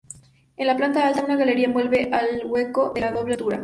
En planta alta, una galería envuelve el hueco de la doble altura.